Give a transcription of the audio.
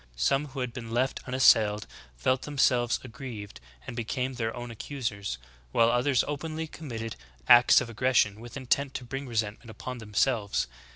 Some who had been left unassailed felt themselves aggrieved, and became their own accusers ; while others openly committed acts of aggression with intent to bring re sentment upon themselves."